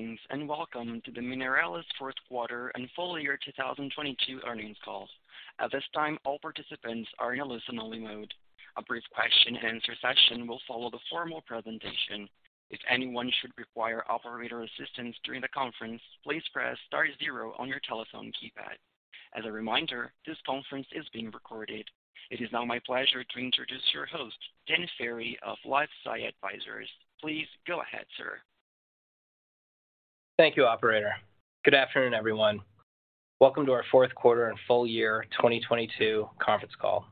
Greetings, welcome to the Mineralys fourth quarter and full year 2022 earnings call. At this time, all participants are in a listen-only mode. A brief question-and-answer session will follow the formal presentation. If anyone should require operator assistance during the conference, please press star zero on your telephone keypad. As a reminder, this conference is being recorded. It is now my pleasure to introduce your host, Dan Ferry of LifeSci Advisors. Please go ahead, sir. Thank you, operator. Good afternoon, everyone. Welcome to our fourth quarter and full-year 2022 conference call.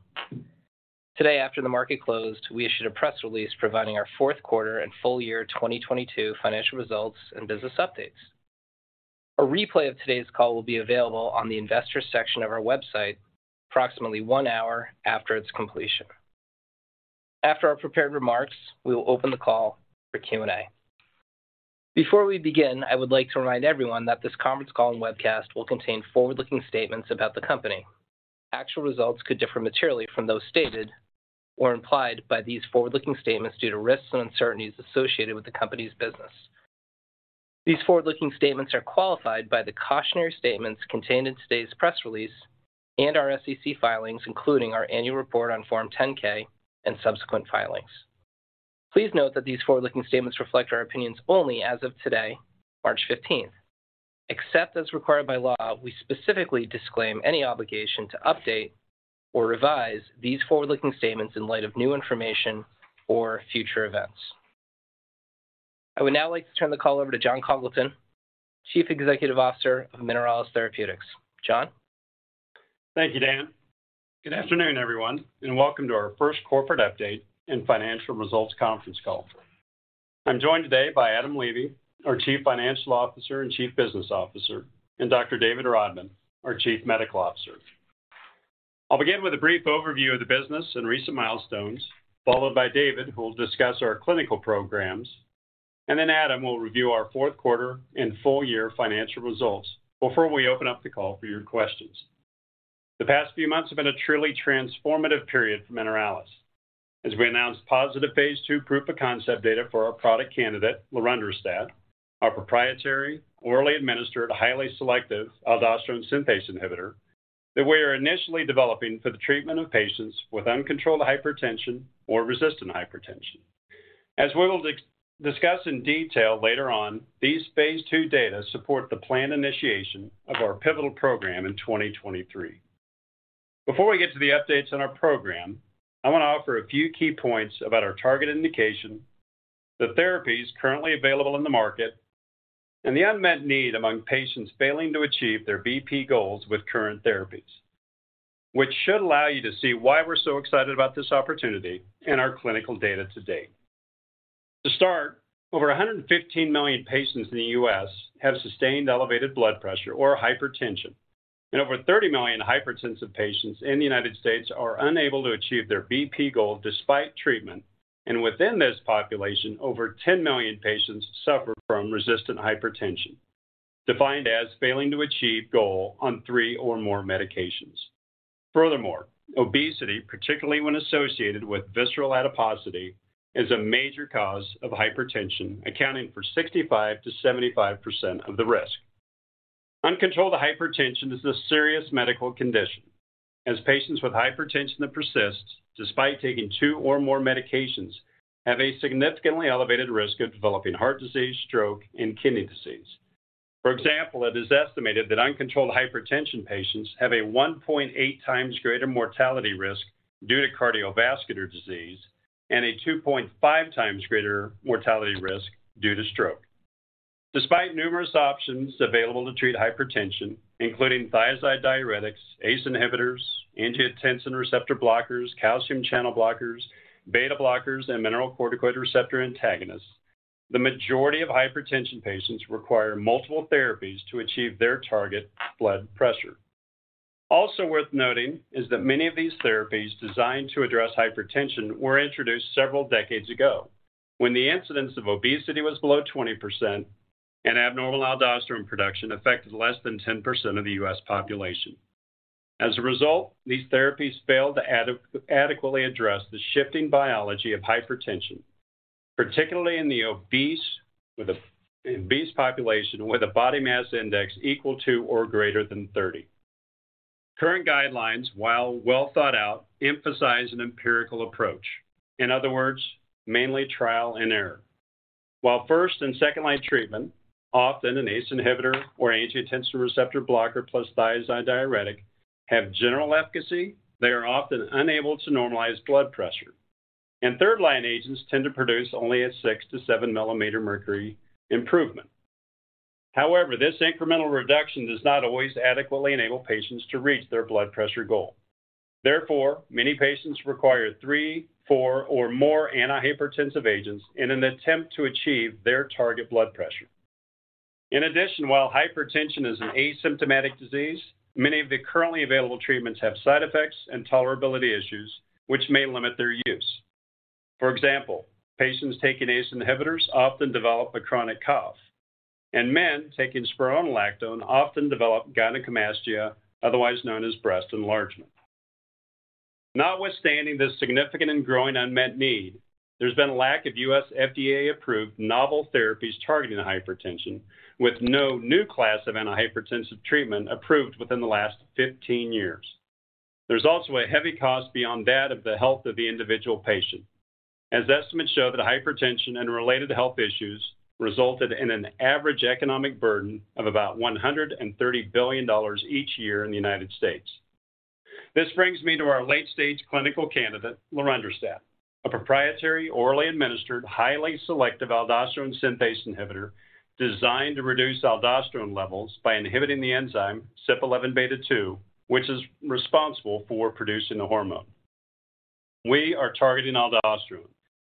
Today, after the market closed, we issued a press release providing our fourth quarter and full-year 2022 financial results and business updates. A replay of today's call will be available on the investors section of our website approximately one hour after its completion. After our prepared remarks, we will open the call for Q&A. Before we begin, I would like to remind everyone that this conference call and webcast will contain forward-looking statements about the company. Actual results could differ materially from those stated or implied by these forward-looking statements due to risks and uncertainties associated with the company's business. These forward-looking statements are qualified by the cautionary statements contained in today's press release and our SEC filings, including our annual report on Form 10-K and subsequent filings. Please note that these forward-looking statements reflect our opinions only as of today, March 15th. Except as required by law, we specifically disclaim any obligation to update or revise these forward-looking statements in light of new information or future events. I would now like to turn the call over to Jon Congleton, Chief Executive Officer of Mineralys Therapeutics. Jon? Thank you, Dan. Good afternoon, everyone. Welcome to our first corporate update and financial results conference call. I'm joined today by Adam Levy, our Chief Financial Officer and Chief Business Officer, and Dr. David Rodman, our Chief Medical Officer. I'll begin with a brief overview of the business and recent milestones, followed by David, who will discuss our clinical programs. Then Adam will review our fourth quarter and full year financial results before we open up the call for your questions. The past few months have been a truly transformative period for Mineralys as we announced positive phase II proof of concept data for our product candidate, lorundrostat, our proprietary orally administered, highly selective aldosterone synthase inhibitor that we are initially developing for the treatment of patients with uncontrolled hypertension or resistant hypertension. As we will discuss in detail later on, these phase II data support the planned initiation of our pivotal program in 2023. Before we get to the updates on our program, I want to offer a few key points about our target indication, the therapies currently available in the market, and the unmet need among patients failing to achieve their BP goals with current therapies, which should allow you to see why we're so excited about this opportunity and our clinical data to date. To start, over 115 million patients in the U.S. have sustained elevated blood pressure or hypertension, and over 30 million hypertensive patients in the United States are unable to achieve their BP goal despite treatment. Within this population, over 10 million patients suffer from resistant hypertension, defined as failing to achieve goal on three or more medications. Furthermore, obesity, particularly when associated with visceral adiposity, is a major cause of hypertension, accounting for 65%-75% of the risk. Uncontrolled hypertension is a serious medical condition, as patients with hypertension that persists despite taking two or more medications have a significantly elevated risk of developing heart disease, stroke, and kidney disease. For example, it is estimated that uncontrolled hypertension patients have a 1.8x greater mortality risk due to cardiovascular disease and a 2.5x greater mortality risk due to stroke. Despite numerous options available to treat hypertension, including thiazide diuretics, ACE inhibitors, angiotensin receptor blockers, calcium channel blockers, beta blockers, and mineralocorticoid receptor antagonists, the majority of hypertension patients require multiple therapies to achieve their target blood pressure. Also worth noting is that many of these therapies designed to address hypertension were introduced several decades ago, when the incidence of obesity was below 20% and abnormal aldosterone production affected less than 10% of the U.S. population. As a result, these therapies failed to adequately address the shifting biology of hypertension, particularly in the obese population with a body mass index equal to or greater than 30. Current guidelines, while well thought out, emphasize an empirical approach. In other words, mainly trial and error. While first and second-line treatment, often an ACE inhibitor or angiotensin receptor blocker plus thiazide diuretic, have general efficacy, they are often unable to normalize blood pressure. Third-line agents tend to produce only a 6 mm-7 mm mercury improvement. However, this incremental reduction does not always adequately enable patients to reach their blood pressure goal. Many patients require three, four, or more antihypertensive agents in an attempt to achieve their target blood pressure. In addition, while hypertension is an asymptomatic disease, many of the currently available treatments have side effects and tolerability issues which may limit their use. For example, patients taking ACE inhibitors often develop a chronic cough, and men taking spironolactone often develop gynecomastia, otherwise known as breast enlargement. Notwithstanding this significant and growing unmet need, there's been a lack of U.S. FDA-approved novel therapies targeting hypertension, with no new class of antihypertensive treatment approved within the last 15 years. There's also a heavy cost beyond that of the health of the individual patient, as estimates show that hypertension and related health issues resulted in an average economic burden of about $130 billion each year in the United States. This brings me to our late-stage clinical candidate, lorundrostat, a proprietary, orally administered, highly selective aldosterone synthase inhibitor designed to reduce aldosterone levels by inhibiting the enzyme CYP11B2, which is responsible for producing the hormone. We are targeting aldosterone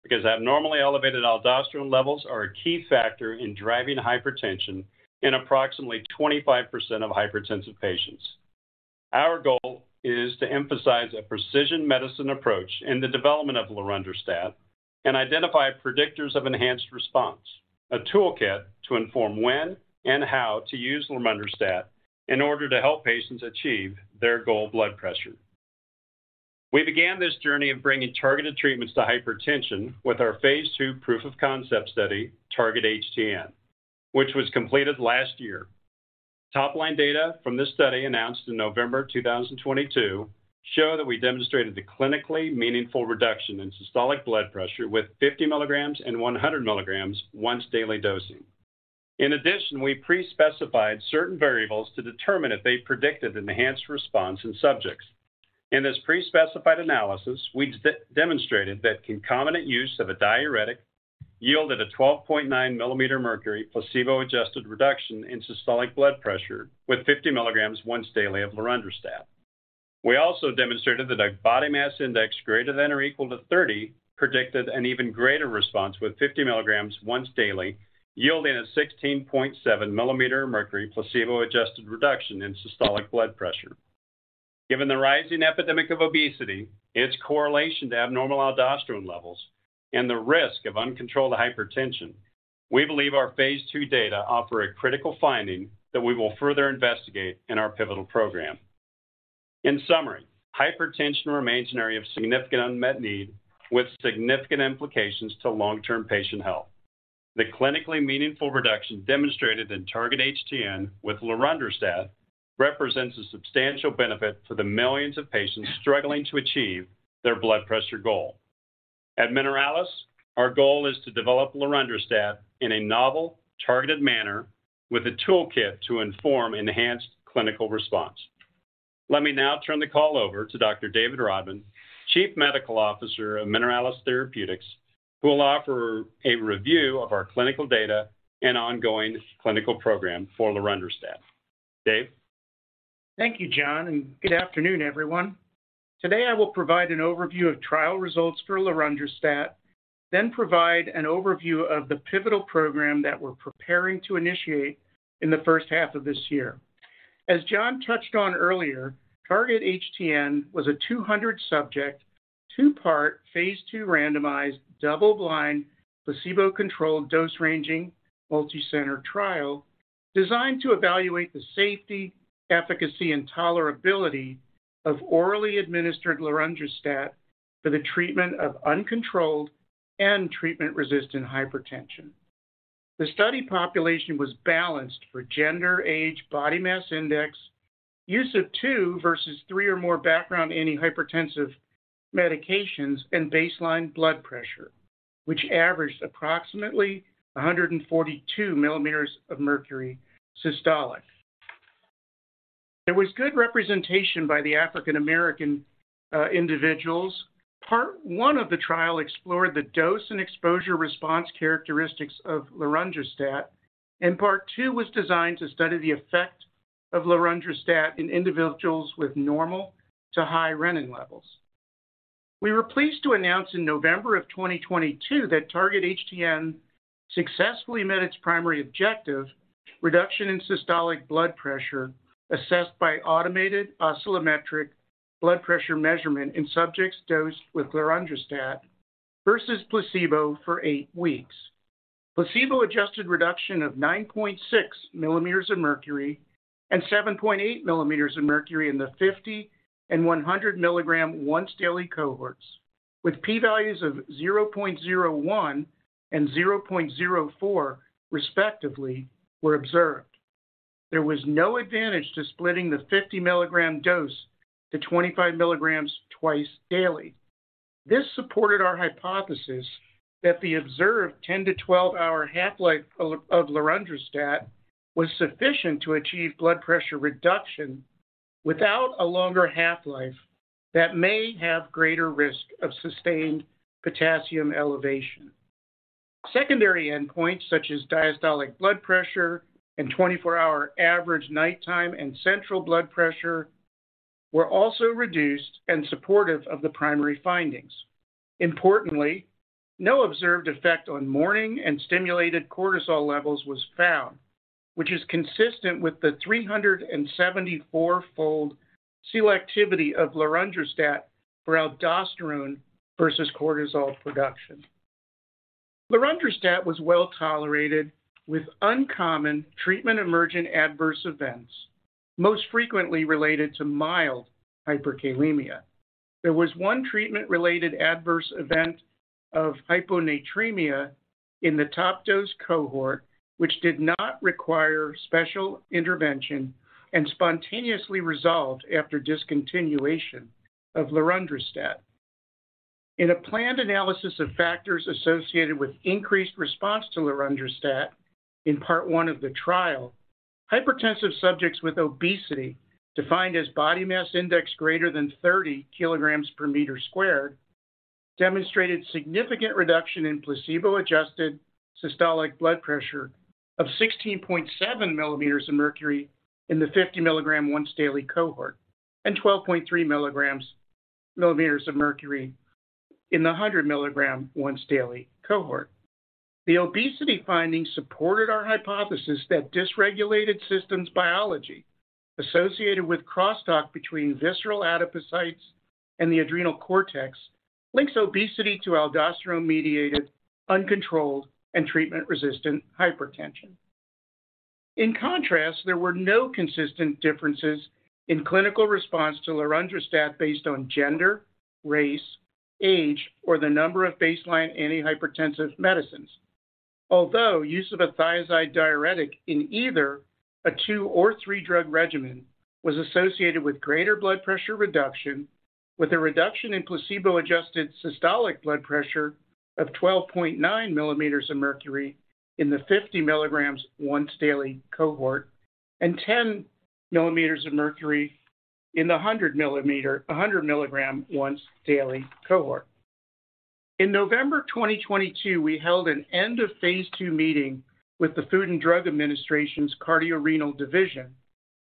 because abnormally elevated aldosterone levels are a key factor in driving hypertension in approximately 25% of hypertensive patients. Our goal is to emphasize a precision medicine approach in the development of lorundrostat and identify predictors of enhanced response, a toolkit to inform when and how to use lorundrostat in order to help patients achieve their goal blood pressure. We began this journey of bringing targeted treatments to hypertension with our phase II proof-of-concept study, TARGET-HTN, which was completed last year. Top-line data from this study, announced in November 2022, show that we demonstrated the clinically meaningful reduction in systolic blood pressure with 50 mg and 100 mg once-daily dosing. We pre-specified certain variables to determine if they predicted an enhanced response in subjects. In this pre-specified analysis, we demonstrated that concomitant use of a diuretic yielded a 12.9 mm mercury placebo-adjusted reduction in systolic blood pressure with 50 mg once daily of lorundrostat. We also demonstrated that a body mass index greater than or equal to 30 predicted an even greater response with 50 mg once daily, yielding a 16.7 mm mercury placebo-adjusted reduction in systolic blood pressure. Given the rising epidemic of obesity, its correlation to abnormal aldosterone levels, and the risk of uncontrolled hypertension, we believe our phase II data offer a critical finding that we will further investigate in our pivotal program. In summary, hypertension remains an area of significant unmet need with significant implications to long-term patient health. The clinically meaningful reduction demonstrated in TARGET-HTN with lorundrostat represents a substantial benefit to the millions of patients struggling to achieve their blood pressure goal. At Mineralys, our goal is to develop lorundrostat in a novel, targeted manner with a toolkit to inform enhanced clinical response. Let me now turn the call over to Dr. David Rodman, Chief Medical Officer of Mineralys Therapeutics, who will offer a review of our clinical data and ongoing clinical program for lorundrostat. Dave? Thank you, Jon, and good afternoon, everyone. Today, I will provide an overview of trial results for lorundrostat, then provide an overview of the pivotal program that we're preparing to initiate in the first half of this year. As Jon touched on earlier, TARGET-HTN was a 200-subject, two-part, phase II randomized, double-blind, placebo-controlled, dose-ranging, multicenter trial designed to evaluate the safety, efficacy, and tolerability of orally administered lorundrostat for the treatment of uncontrolled and treatment-resistant hypertension. The study population was balanced for gender, age, body mass index, use of two versus three or more background antihypertensive medications, and baseline blood pressure, which averaged approximately 142 mm of mercury systolic. There was good representation by the African American individuals. Part one of the trial explored the dose and exposure response characteristics of lorundrostat. Part two was designed to study the effect of lorundrostat in individuals with normal to high renin levels. We were pleased to announce in November 2022 that TARGET-HTN successfully met its primary objective, reduction in systolic blood pressure assessed by automated oscillometric blood pressure measurement in subjects dosed with lorundrostat versus placebo for eight weeks. Placebo-adjusted reduction of 9.6 mm of mercury and 7.8 mm of mercury in the 50 mg and 100 mg once-daily cohorts with P values of 0.01 and 0.04, respectively, were observed. There was no advantage to splitting the 50 mg dose to 25 mg twice daily. This supported our hypothesis that the observed 10-12 hour half-life of lorundrostat was sufficient to achieve blood pressure reduction without a longer half-life that may have a greater risk of sustained potassium elevation. Secondary endpoints, such as diastolic blood pressure and 24-hour average nighttime and central blood pressure, were also reduced and supportive of the primary findings. Importantly, no observed effect on morning and stimulated cortisol levels was found, which is consistent with the 374-fold selectivity of lorundrostat for aldosterone versus cortisol production. Lorundrostat was well-tolerated with uncommon treatment-emergent adverse events, most frequently related to mild hyperkalemia. There was one treatment-related adverse event of hyponatremia in the top dose cohort, which did not require special intervention and spontaneously resolved after discontinuation of lorundrostat. In a planned analysis of factors associated with increased response to lorundrostat in part one of the trial, hypertensive subjects with obesity, defined as body mass index greater than 30 kg per meter squared, demonstrated significant reduction in placebo-adjusted systolic blood pressure of 16.7 mm of mercury in the 50 mg once daily cohort and 12.3 mm of mercury in the 100 mg once daily cohort. The obesity findings supported our hypothesis that dysregulated systems biology associated with crosstalk between visceral adipocytes and the adrenal cortex links obesity to aldosterone-mediated, uncontrolled, and treatment-resistant hypertension. In contrast, there were no consistent differences in clinical response to lorundrostat based on gender, race, age, or the number of baseline antihypertensive medicines. Although use of a thiazide diuretic in either a two or three-drug regimen was associated with greater blood pressure reduction, with a reduction in placebo-adjusted systolic blood pressure of 12.9 mm of mercury in the 50 mg once daily cohort and 10 mm of mercury in the 100 mg once daily cohort. In November 2022, we held an end-of-phase II meeting with the Food and Drug Administration's Cardiorenal Division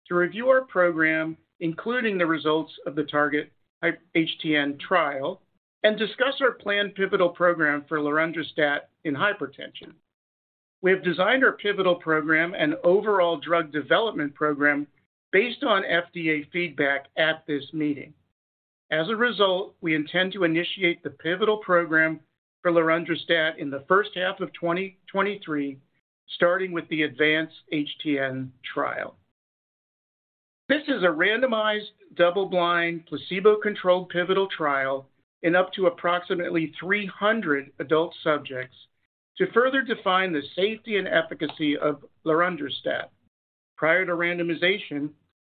to review our program, including the results of the TARGET-HTN trial, and discuss our planned pivotal program for lorundrostat in hypertension. We have designed our pivotal program and overall drug development program based on FDA feedback at this meeting. As a result, we intend to initiate the pivotal program for lorundrostat in the first half of 2023, starting with the ADVANCE-HTN trial. This is a randomized, double-blind, placebo-controlled pivotal trial in up to approximately 300 adult subjects to further define the safety and efficacy of lorundrostat. Prior to randomization,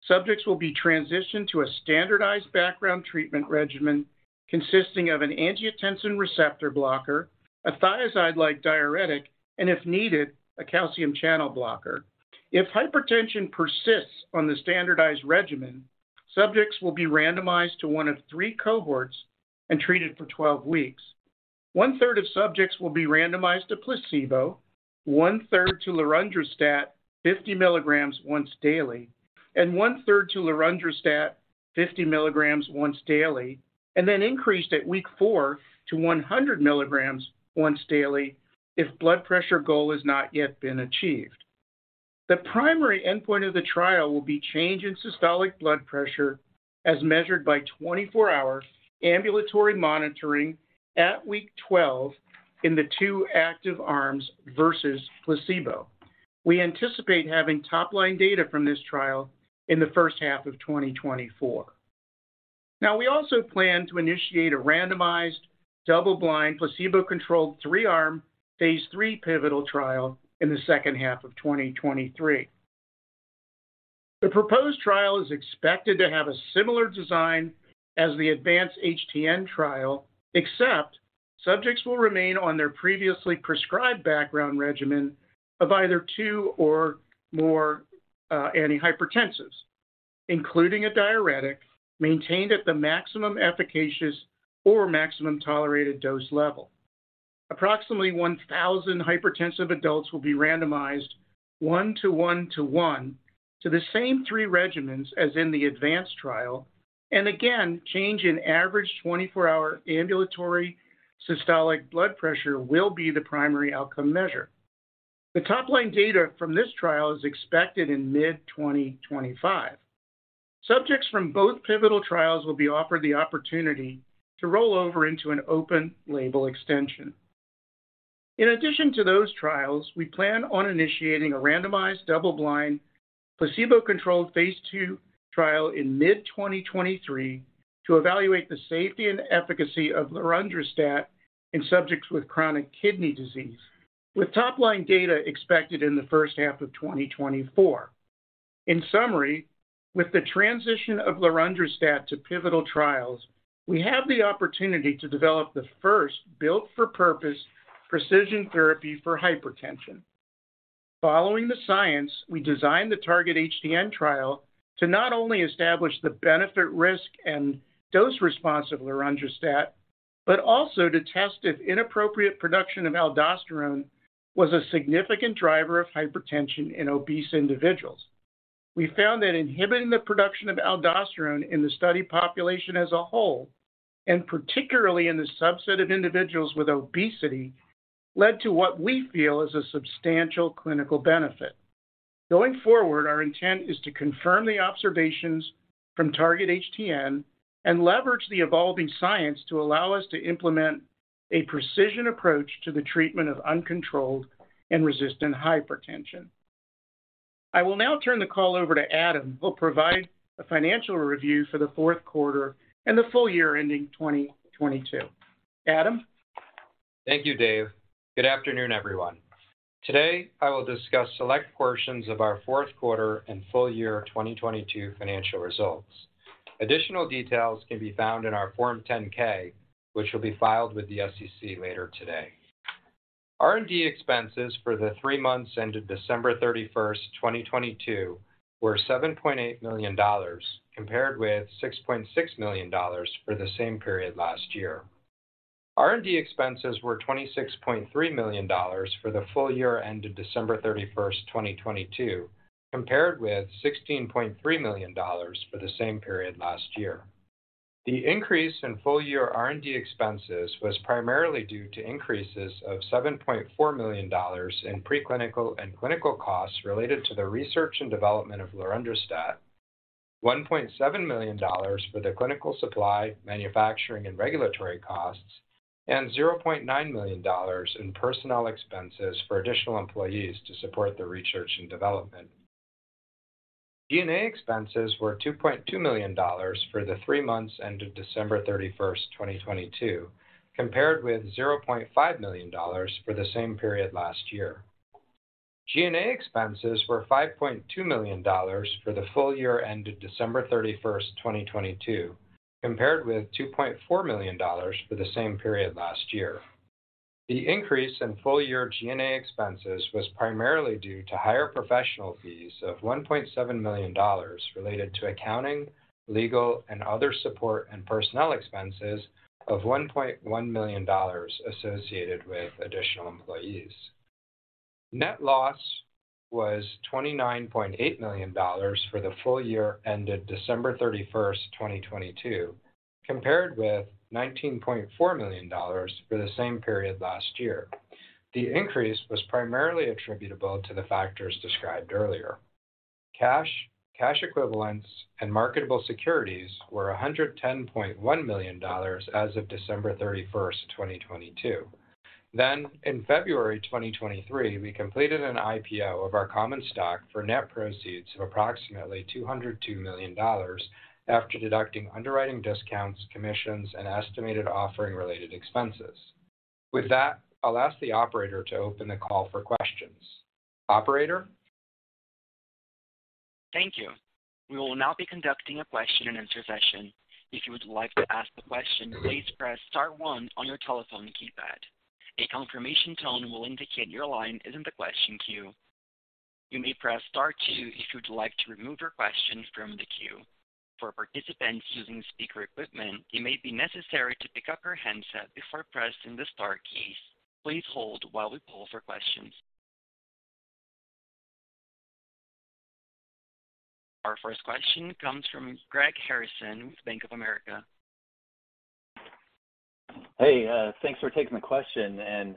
subjects will be transitioned to a standardized background treatment regimen consisting of an angiotensin receptor blocker, a thiazide-like diuretic, and if needed, a calcium channel blocker. If hypertension persists on the standardized regimen, subjects will be randomized to 1/3 cohorts and treated for 12 weeks. 1/3 of subjects will be randomized to placebo, 1/3 to lorundrostat 50 mg once daily, and 1/3 to lorundrostat 50 mg once daily, and then increased at week four to 100 mg once daily if blood pressure goal has not yet been achieved. The primary endpoint of the trial will be change in systolic blood pressure as measured by 24-hour ambulatory monitoring at week 12 in the two active arms versus placebo. We anticipate having top-line data from this trial in the first half of 2024. We also plan to initiate a randomized, double-blind, placebo-controlled, three-arm, phase III pivotal trial in the second half of 2023. The proposed trial is expected to have a similar design as the ADVANCE-HTN trial, except subjects will remain on their previously prescribed background regimen of either two or more antihypertensives, including a diuretic, maintained at the maximum efficacious or maximum tolerated dose level. Approximately 1,000 hypertensive adults will be randomized one to one to one to the same three regimens as in the Advance trial. Change in average 24-hour ambulatory systolic blood pressure will be the primary outcome measure. The top-line data from this trial is expected in mid-2025. Subjects from both pivotal trials will be offered the opportunity to roll over into an open-label extension. In addition to those trials, we plan on initiating a randomized, double-blind, placebo-controlled phase II trial in mid-2023 to evaluate the safety and efficacy of lorundrostat in subjects with chronic kidney disease, with top-line data expected in the first half of 2024. In summary, with the transition of lorundrostat to pivotal trials, we have the opportunity to develop the first built-for-purpose precision therapy for hypertension. Following the science, we designed the TARGET-HTN trial to not only establish the benefit, risk, and dose response of lorundrostat, but also to test if inappropriate production of aldosterone was a significant driver of hypertension in obese individuals. We found that inhibiting the production of aldosterone in the study population as a whole, and particularly in the subset of individuals with obesity, led to what we feel is a substantial clinical benefit. Going forward, our intent is to confirm the observations from TARGET-HTN and leverage the evolving science to allow us to implement a precision approach to the treatment of uncontrolled and resistant hypertension. I will now turn the call over to Adam, who will provide a financial review for the fourth quarter and the full year ending 2022. Adam? Thank you, Dave. Good afternoon, everyone. Today, I will discuss select portions of our fourth quarter and full-year 2022 financial results. Additional details can be found in our Form 10-K, which will be filed with the SEC later today. R&D expenses for the three months ended December 31st, 2022, were $7.8 million, compared with $6.6 million for the same period last year. R&D expenses were $26.3 million for the full year ended December 31st, 2022, compared with $16.3 million for the same period last year. The increase in full year R&D expenses was primarily due to increases of $7.4 million in preclinical and clinical costs related to the research and development of lorundrostat, $1.7 million for the clinical supply, manufacturing, and regulatory costs, and $0.9 million in personnel expenses for additional employees to support the research and development. G&A expenses were $2.2 million for the three months ended December 31, 2022, compared with $0.5 million for the same period last year. G&A expenses were $5.2 million for the full year ended December 31, 2022, compared with $2.4 million for the same period last year. The increase in full-year G&A expenses was primarily due to higher professional fees of $1.7 million related to accounting, legal, and other support and personnel expenses of $1.1 million associated with additional employees. Net loss was $29.8 million for the full year ended December 31, 2022, compared with $19.4 million for the same period last year. The increase was primarily attributable to the factors described earlier. Cash, cash equivalents, and marketable securities were $110.1 million as of December 31, 2022. In February 2023, we completed an IPO of our common stock for net proceeds of approximately $202 million after deducting underwriting discounts, commissions, and estimated offering-related expenses. With that, I'll ask the operator to open the call for questions. Operator? Thank you. We will now be conducting a question-and-answer session. If you would like to ask a question, please press star 1 on your telephone keypad. A confirmation tone will indicate your line is in the question queue. You may press star 2 if you'd like to remove your question from the queue. For participants using speaker equipment, it may be necessary to pick up your handset before pressing the star keys. Please hold while we poll for questions. Our first question comes from Greg Harrison with Bank of America. Hey, thanks for taking the question, and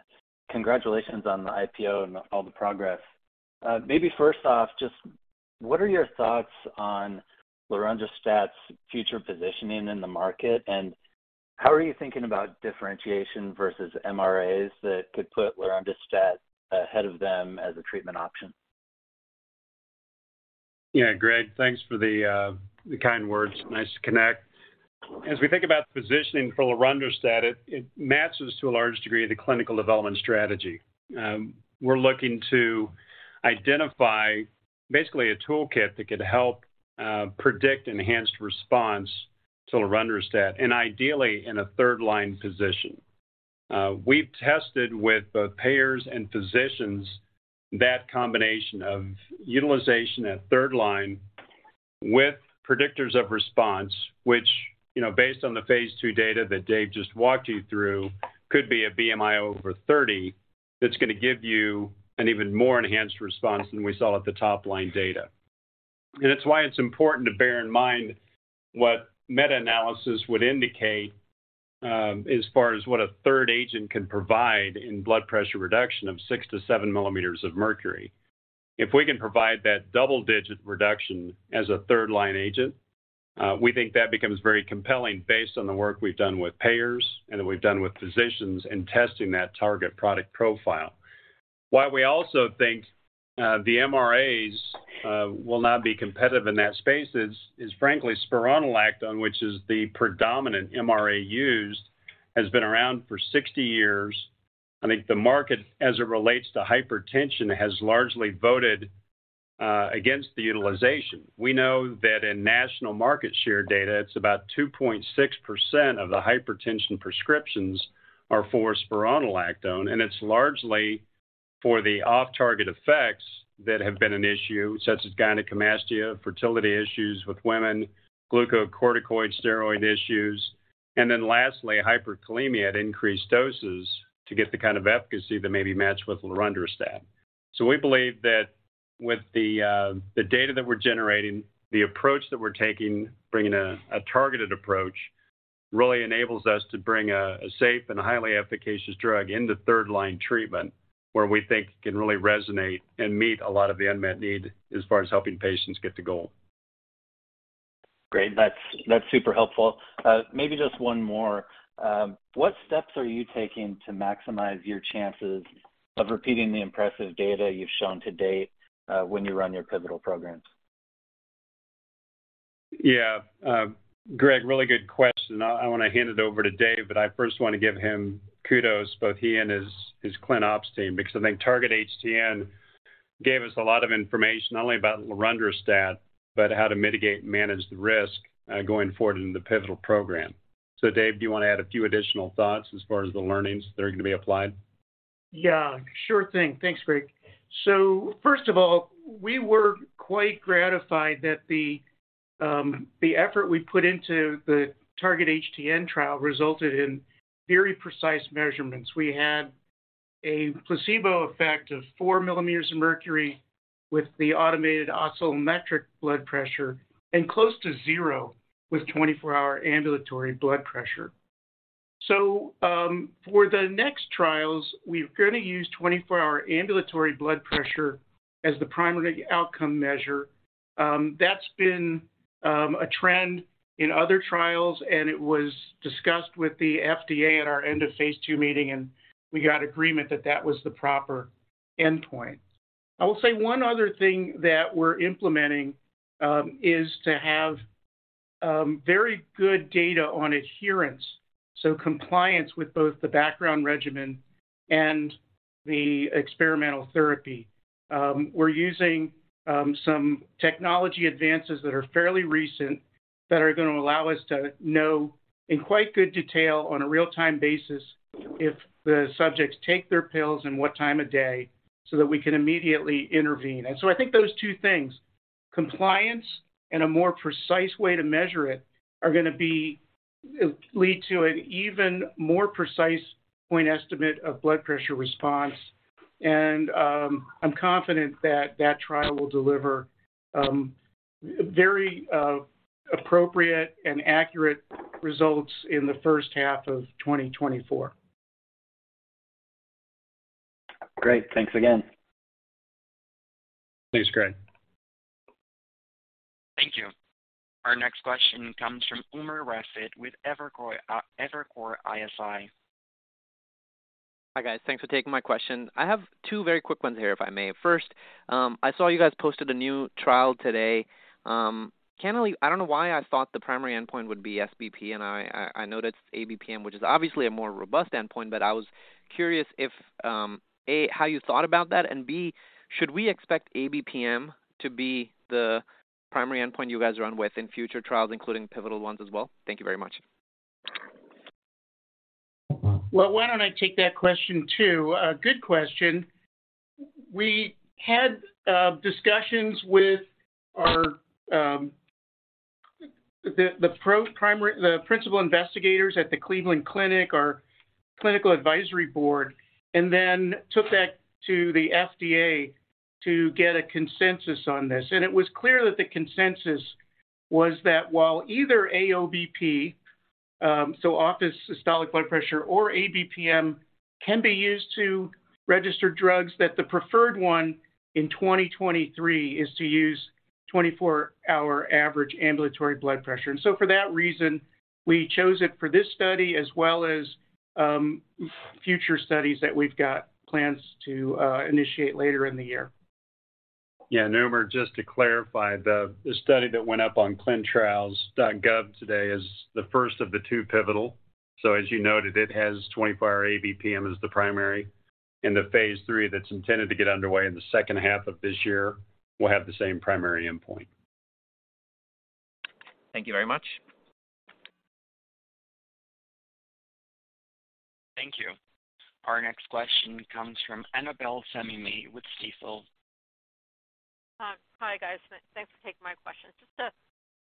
congratulations on the IPO and all the progress. Maybe first off, just what are your thoughts on lorundrostat's future positioning in the market, and how are you thinking about differentiation versus MRAs that could put lorundrostat ahead of them as a treatment option? Yeah, Greg, thanks for the kind words. Nice to connect. As we think about the positioning for lorundrostat, it matches to a large degree the clinical development strategy. We're looking to identify basically a toolkit that could help predict enhanced response to lorundrostat and ideally in a third-line position. We've tested with both payers and physicians that combination of utilization at third line with predictors of response, which, you know, based on the phase II data that David just walked you through, could be a BMI over 30 that's gonna give you an even more enhanced response than we saw at the top-line data. It's why it's important to bear in mind what meta-analysis would indicate as far as what a third agent can provide in blood pressure reduction of 6 mm to 7 mm of mercury. If we can provide that double-digit reduction as a third-line agent, we think that becomes very compelling based on the work we've done with payers and that we've done with physicians in testing that target product profile. Why we also think the MRAs will not be competitive in that space is frankly, spironolactone, which is the predominant MRA used, has been around for 60 years. I think the market, as it relates to hypertension, has largely voted against the utilization. We know that in national market share data, it's about 2.6% of the hypertension prescriptions are for spironolactone, and it's largely for the off-target effects that have been an issue, such as gynecomastia, fertility issues with women, glucocorticoid steroid issues, and then lastly, hyperkalemia at increased doses to get the kind of efficacy that may be matched with lorundrostat. We believe that with the data that we're generating, the approach that we're taking, bringing a targeted approach, really enables us to bring a safe and highly efficacious drug into third-line treatment, where we think can really resonate and meet a lot of the unmet need as far as helping patients get to goal. Great. That's super helpful. Maybe just one more. What steps are you taking to maximize your chances of repeating the impressive data you've shown to date when you run your pivotal programs? Yeah. Greg, really good question. I wanna hand it over to Dave, but I first wanna give him kudos, both he and his clin ops team, because I think TARGET-HTN gave us a lot of information not only about lorundrostat but how to mitigate and manage the risk going forward into the pivotal program. Dave, do you wanna add a few additional thoughts as far as the learnings that are gonna be applied? Yeah. Sure thing. Thanks, Greg. First of all, we were quite gratified that the effort we put into the TARGET-HTN trial resulted in very precise measurements. We had a placebo effect of 4 mm of mercury with the automated oscillometric blood pressure and close to zero with 24-hour ambulatory blood pressure. For the next trials, we're gonna use 24-hour ambulatory blood pressure as the primary outcome measure. That's been a trend in other trials, and it was discussed with the FDA at our end-of-phase II meeting, and we got agreement that that was the proper endpoint. I will say one other thing that we're implementing is to have very good data on adherence, so compliance with both the background regimen and the experimental therapy. We're using some technology advances that are fairly recent that are gonna allow us to know in quite good detail on a real-time basis if the subjects take their pills and what time of day, so that we can immediately intervene. I think those two things, compliance and a more precise way to measure it, lead to an even more precise point estimate of blood pressure response. I'm confident that the trial will deliver very appropriate and accurate results in the first half of 2024. Great. Thanks again. Thanks, Greg. Thank you. Our next question comes from Umer Raffat with Evercore ISI. Hi, guys. Thanks for taking my question. I have two very quick ones here, if I may. First, I saw you guys posted a new trial today. I don't know why I thought the primary endpoint would be SBP, and I know that's ABPM, which is obviously a more robust endpoint. I was curious if, A, how you thought about that, and B, should we expect ABPM to be the primary endpoint you guys run with in future trials, including pivotal ones as well? Thank you very much. Well, why don't I take that question too? A good question. We had discussions with our the principal investigators at the Cleveland Clinic, our clinical advisory board, and then took that to the FDA to get a consensus on this. It was clear that the consensus was that while either AOBP, so office systolic blood pressure or ABPM can be used to register drugs that, the preferred one in 2023 is to use 24-hour average ambulatory blood pressure. For that reason, we chose it for this study as well as future studies that we've got plans to initiate later in the year. Yeah. Umer, just to clarify, the study that went up on ClinicalTrials.gov today is the first of the two pivotal. As you noted, it has 24-hour ABPM as the primary. The phase III that's intended to get underway in the second half of this year will have the same primary endpoint. Thank you very much. Thank you. Our next question comes from Annabel Samimy with Stifel. Hi, guys. Thanks for taking my question. Just to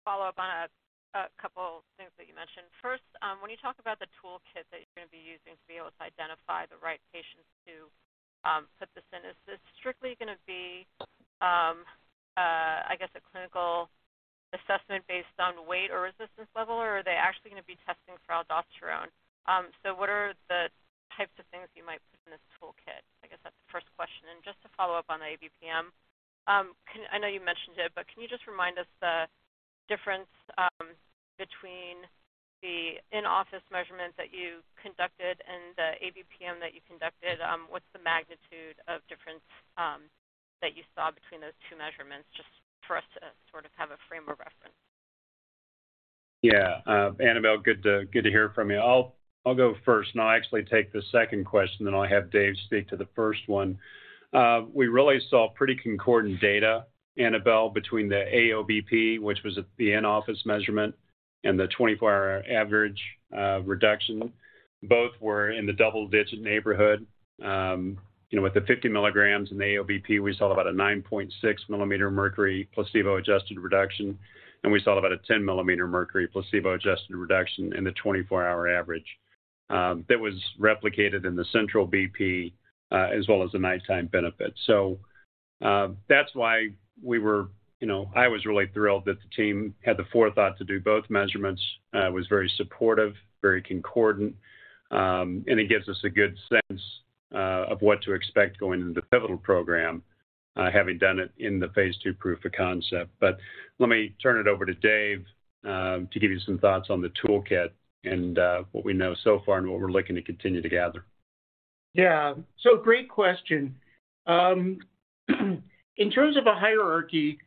follow up on a couple of things that you mentioned. First, when you talk about the toolkit that you're gonna be using to be able to identify the right patients to put this in, is this strictly gonna be, I guess, a clinical assessment based on weight or resistance level, or are they actually gonna be testing for aldosterone? What are the types of things you might put in this toolkit? I guess that's the first question. Just to follow up on the ABPM, I know you mentioned it, but can you just remind us the difference between the in-office measurements that you conducted and the ABPM that you conducted? What's the magnitude of difference that you saw between those two measurements, just for us to sort of have a frame of reference? Yeah. Annabel, good to hear from you. I'll go first, and I'll actually take the second question, then I'll have Dave speak to the first one. We really saw pretty concordant data, Annabel, between the AOBP, which was at the in-office measurement, and the 24-hour average reduction. Both were in the double-digit neighborhood. You know, with the 50 mg in the AOBP, we saw about a 9.6 mm mercury placebo-adjusted reduction, and we saw about a 10 mm mercury placebo-adjusted reduction in the 24-hour average. That was replicated in the central BP as well as the nighttime benefit. That's why we were, you know, I was really thrilled that the team had the forethought to do both measurements, was very supportive, very concordant, and it gives us a good sense of what to expect going into the pivotal program, having done it in the phase II proof-of-concept. Let me turn it over to Dave to give you some thoughts on the toolkit and what we know so far, and what we're looking to continue to gather. Yeah. Great question. In terms of a hierarchy,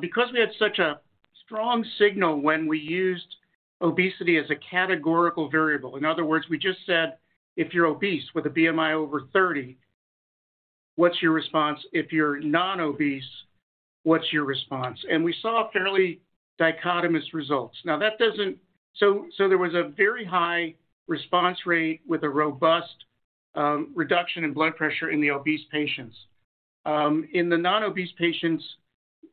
because we had such a strong signal when we used obesity as a categorical variable, in other words, we just said, "If you're obese with a BMI over 30, what's your response? If you're non-obese, what's your response?" We saw fairly dichotomous results. There was a very high response rate with a robust reduction in blood pressure in the obese patients. In the non-obese patients,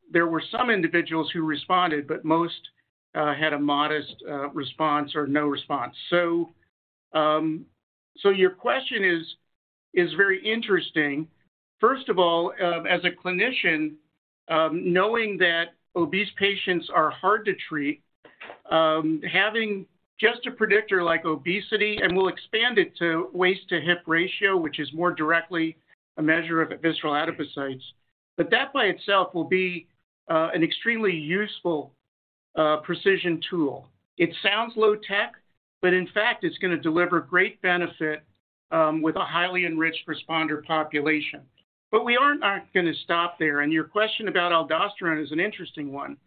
there were some individuals who responded, but most had a modest response or no response. Your question is very interesting. First of all, as a clinician, knowing that obese patients are hard to treat, having just a predictor like obesity, and we'll expand it to waist-to-hip ratio, which is more directly a measure of visceral adipocytes. That by itself will be an extremely useful precision tool. It sounds low-tech, but in fact, it's gonna deliver great benefit with a highly enriched responder population. We aren't gonna stop there, and your question about aldosterone is an interesting one.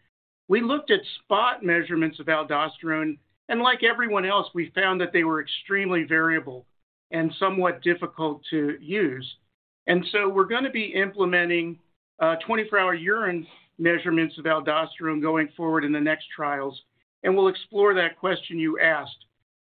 We looked at spot measurements of aldosterone, and like everyone else, we found that they were extremely variable and somewhat difficult to use. We're gonna be implementing 24-hour urine measurements of aldosterone going forward in the next trials, and we'll explore that question you asked.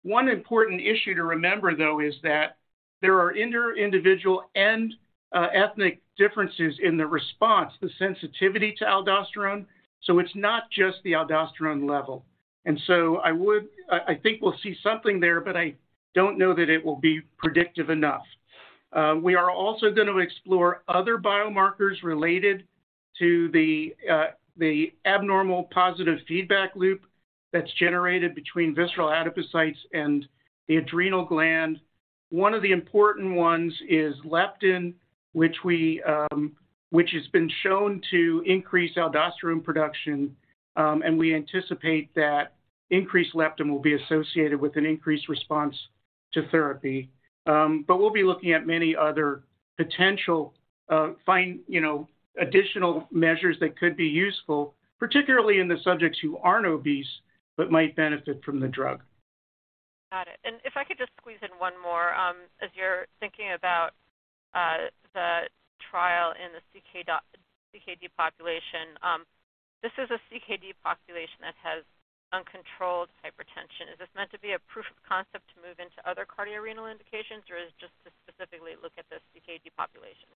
One important issue to remember though, is that there are interindividual and ethnic differences in the response, the sensitivity to aldosterone, so it's not just the aldosterone level. I think we'll see something there, but I don't know that it will be predictive enough. We are also gonna explore other biomarkers related to the abnormal positive feedback loop that's generated between visceral adipocytes and the adrenal gland. One of the important ones is leptin, which we, which has been shown to increase aldosterone production, and we anticipate that increased leptin will be associated with an increased response to therapy. We'll be looking at many other potential, find, you know, additional measures that could be useful, particularly in the subjects who aren't obese but might benefit from the drug. Got it. If I could just squeeze in one more, as you're thinking about, the trial in the CKD population, this is a CKD population that has uncontrolled hypertension. Is this meant to be a proof of concept to move into other cardiorenal indications, or is it just to specifically look at this CKD population?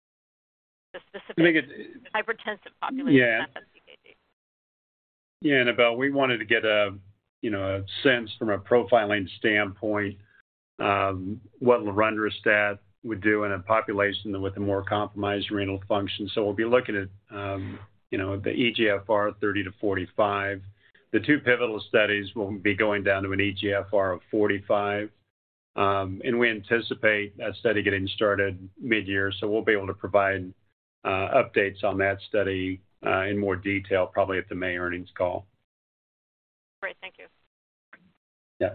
I think it's- Hypertensive population. Yeah not the CKD. Annabel, we wanted to get a, you know, a sense from a profiling standpoint, what lorundrostat would do in a population with a more compromised renal function. We'll be looking at, you know, the eGFR 30-45. The two pivotal studies will be going down to an eGFR of 45. We anticipate that study getting started mid-year, we'll be able to provide updates on that study in more detail, probably at the May earnings call. Great. Thank you. Yeah.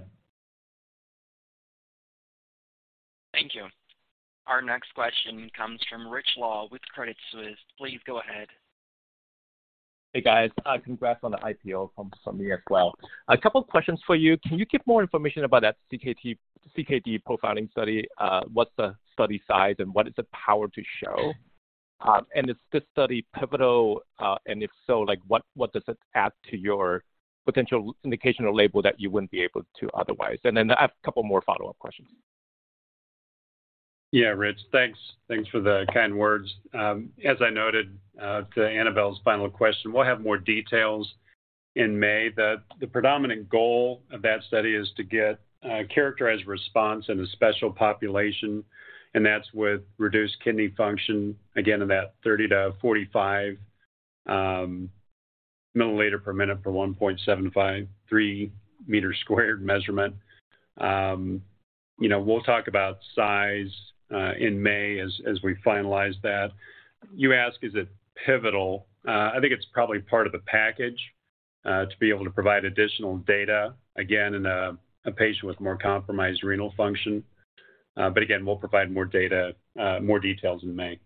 Thank you. Our next question comes from Rich Law with Credit Suisse. Please go ahead. Hey, guys. Congrats on the IPO from me as well. A couple of questions for you. Can you give more information about that CKD profiling study? What's the study size, and what is the power to show? Is this study pivotal? If so, like, what does it add to your potential indication or label that you wouldn't be able to otherwise? I have a couple more follow-up questions. Yeah, Rich, thanks. Thanks for the kind words. As I noted to Annabel's final question, we'll have more details in May. The predominant goal of that study is to get characterized response in a special population, and that's with reduced kidney function, again, in that 30 ml-45 ml per minute per 1.753 meter squared measurement. You know, we'll talk about size in May as we finalize that. You ask, is it pivotal? I think it's probably part of the package to be able to provide additional data, again, in a patient with more compromised renal function. Again, we'll provide more data, more details in May.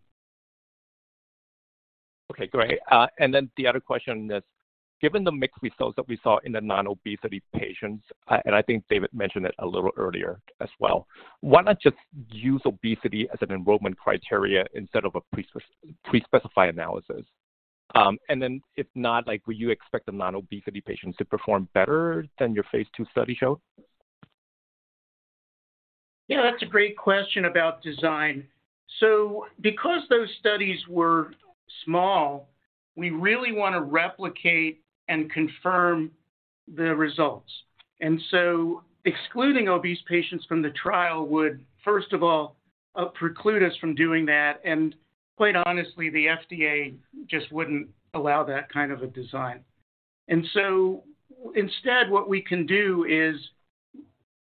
Okay, great. The other question is, given the mixed results that we saw in the non-obesity patients, and I think David mentioned it a little earlier as well, why not just use obesity as an enrollment criterion instead of a pre-specified analysis? If not, like, will you expect the non-obesity patients to perform better than your phase II study showed? Yeah, that's a great question about design. Because those studies were small, we really want to replicate and confirm the results. Excluding obese patients from the trial would, first of all, preclude us from doing that. Quite honestly, the FDA just wouldn't allow that kind of a design. Instead, what we can do is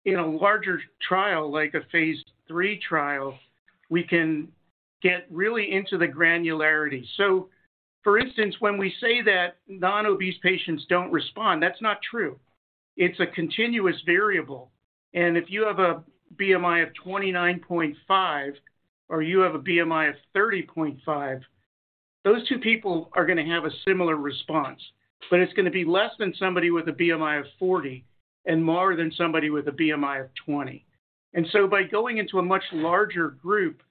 in a larger trial, like a phase III trial, we can get really into the granularity. For instance, when we say that non-obese patients don't respond, that's not true. It's a continuous variable. If you have a BMI of 29.5 or you have a BMI of 30.5, those two people are going to have a similar response. It's going to be less than somebody with a BMI of 40 and more than somebody with a BMI of 20. By going into a much larger group,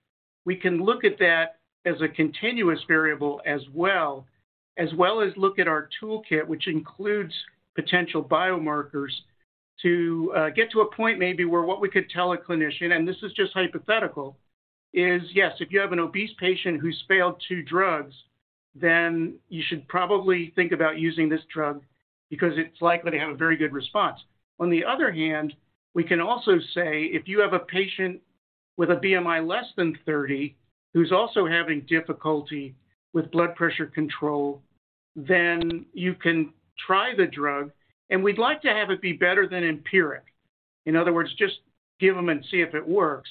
we can look at that as a continuous variable as well, as well as look at our toolkit, which includes potential biomarkers, to get to a point maybe where what we could tell a clinician, and this is just hypothetical, is, yes, if you have an obese patient who's failed two drugs, then you should probably think about using this drug because it's likely to have a very good response. On the other hand, we can also say, if you have a patient with a BMI less than 30 who's also having difficulty with blood pressure control, then you can try the drug, and we'd like to have it be better than empiric. In other words, just give them and see if it works.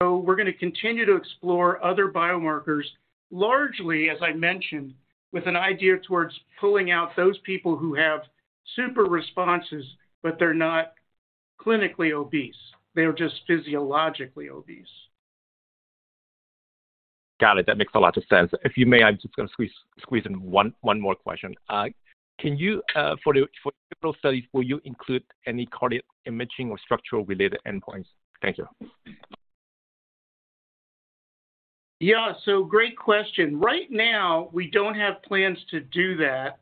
We're going to continue to explore other biomarkers, largely, as I mentioned, with an idea towards pulling out those people who have super responses but they're not clinically obese. They are just physiologically obese. Got it. That makes a lot of sense. If you may, I'm just going to squeeze in one more question. Can you, for the pivotal study, will you include any cardiac imaging or structural-related endpoints? Thank you. Yeah. Great question. Right now, we don't have plans to do that.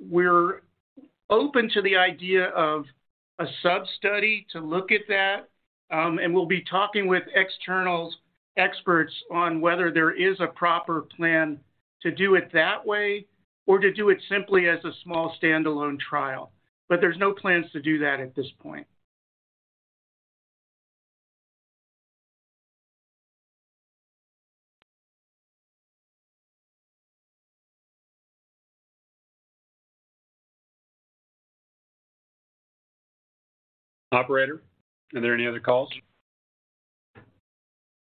We're open to the idea of a sub-study to look at that. We'll be talking with external experts on whether there is a proper plan to do it that way or to do it simply as a small, standalone trial. There's no plans to do that at this point. Operator, are there any other calls?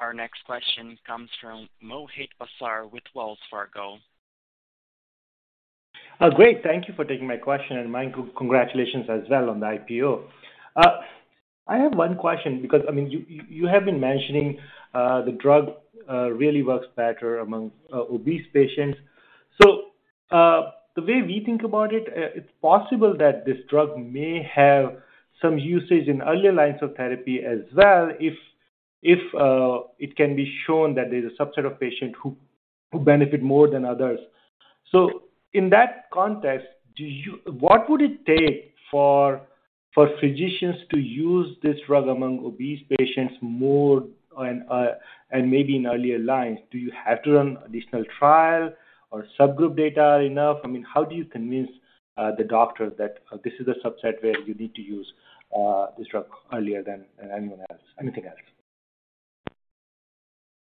Our next question comes from Mohit Bansal with Wells Fargo. Oh, great. Thank you for taking my question. My congratulations as well on the IPO. I have one question because, I mean, you have been mentioning the drug really works better among obese patients. The way we think about it's possible that this drug may have some usage in earlier lines of therapy as well if it can be shown that there's a subset of patients who benefit more than others. In that context, what would it take for physicians to use this drug among obese patients more, and maybe in earlier lines? Do you have to run additional trial or subgroup data enough? I mean, how do you convince the doctors that this is a subset where you need to use this drug earlier than anyone else? Anything else?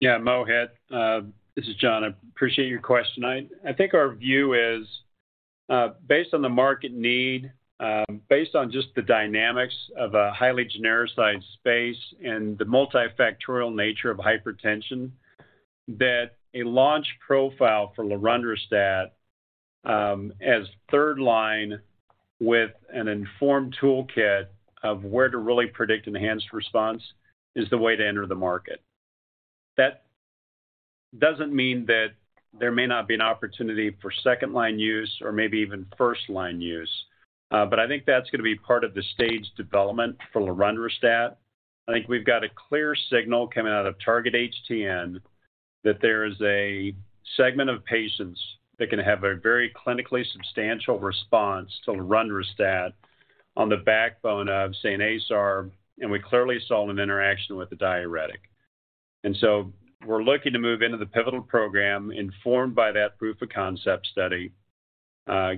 Yeah. Mohit, this is Jon. I appreciate your question. I think our view is, based on the market need, based on just the dynamics of a highly genericized space and the multifactorial nature of hypertension, that a launch profile for lorundrostat, as third line with an informed toolkit of where to really predict enhanced response, is the way to enter the market. That doesn't mean that there may not be an opportunity for second-line use or maybe even first-line use. I think that's going to be part of the stage development for lorundrostat. I think we've got a clear signal coming out of TARGET-HTN that there is a segment of patients that can have a very clinically substantial response to lorundrostat on the backbone of, say, an ARB, and we clearly saw an interaction with a diuretic. We're looking to move into the pivotal program informed by that proof of concept study,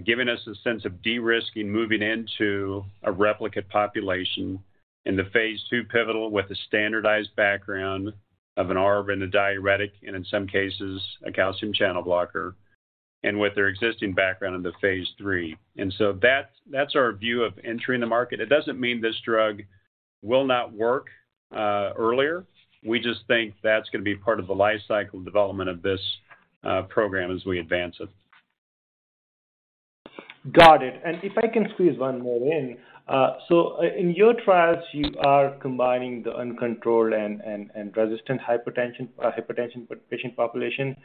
giving us a sense of de-risking moving into a replicate population in the phase II pivotal with a standardized background of an ARB and a diuretic, and in some cases, a calcium channel blocker, and with their existing background into phase III. That's, that's our view of entering the market. It doesn't mean this drug will not work earlier. We just think that's going to be part of the life cycle development of this program as we advance it. Got it. If I can squeeze one more in. In your trials, you are combining the uncontrolled and resistant hypertension patient population.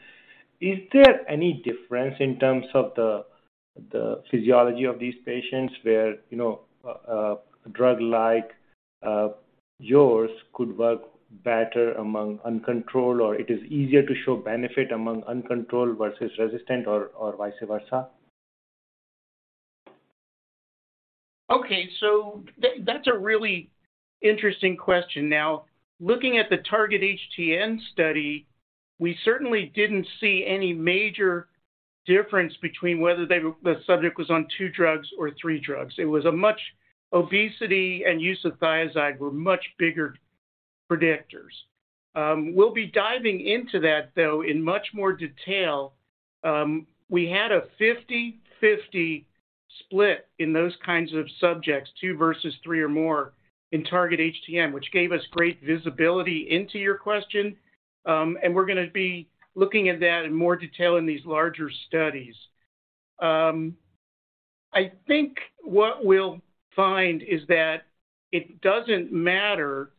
Is there any difference in terms of the physiology of these patients, where, you know, a drug like yours could work better among uncontrolled, it is easier to show benefit among uncontrolled versus resistant or vice versa? That's a really interesting question. Now, looking at the TARGET-HTN study, we certainly didn't see any major difference between whether the subject was on two drugs or three drugs. Obesity and use of thiazides were much bigger predictors. We'll be diving into that, though, in much more detail. We had a 50/50 split in those kinds of subjects, two versus three or more in TARGET-HTN, which gave us great visibility into your question. We're gonna be looking at that in more detail in these larger studies. I think what we'll find is that it doesn't matter,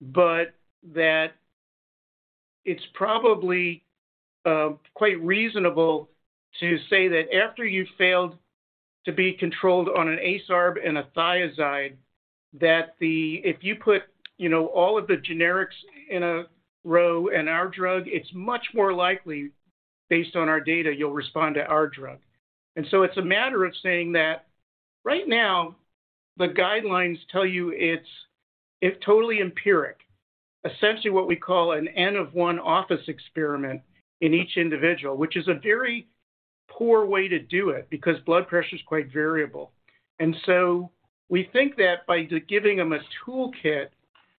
but that it's probably quite reasonable to say that after you've failed to be controlled on an ACE ARB and a thiazide, if you put, you know, all of the generics in a row and our drug, it's much more likely, based on our data, you'll respond to our drug. It's a matter of saying that right now, the guidelines tell you it's totally empiric. Essentially, what we call an N-of-1 office experiment in each individual, which is a very poor way to do it because blood pressure is quite variable. We think that by giving them a toolkit,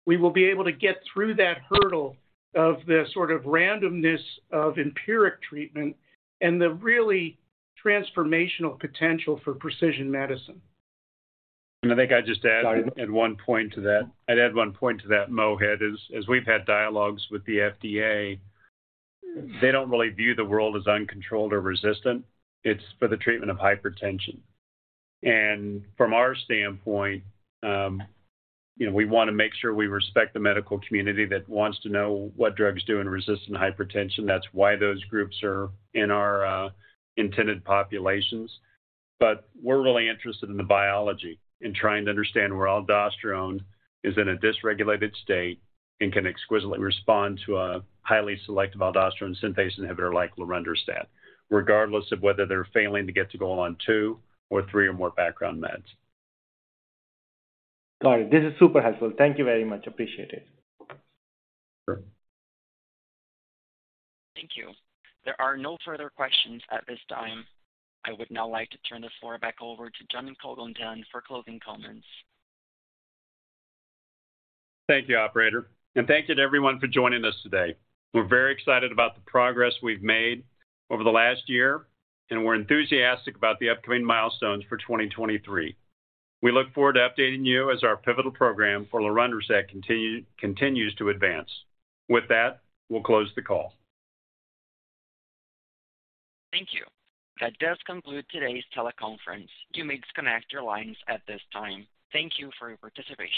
we will be able to get through that hurdle of the sort of randomness of empiric treatment and the really transformational potential for precision medicine. I think I'd just add. Sorry. I'd add one point to that, Mohit, is as we've had dialogues with the FDA, they don't really view the world as uncontrolled or resistant. It's for the treatment of hypertension. From our standpoint, you know, we wanna make sure we respect the medical community that wants to know what drugs do in resistant hypertension. That's why those groups are in our intended populations. We're really interested in the biology and trying to understand where aldosterone is in a dysregulated state and can exquisitely respond to a highly selective aldosterone synthase inhibitor like lorundrostat, regardless of whether they're failing to get to goal on two or three or more background meds. Got it. This is super helpful. Thank you very much. Appreciate it. Sure. Thank you. There are no further questions at this time. I would now like to turn the floor back over to Jon Congleton for closing comments. Thank you, operator, and thank you to everyone for joining us today. We're very excited about the progress we've made over the last year, and we're enthusiastic about the upcoming milestones for 2023. We look forward to updating you as our pivotal program for lorundrostat continues to advance. With that, we'll close the call. Thank you. That does conclude today's teleconference. You may disconnect your lines at this time. Thank you for your participation.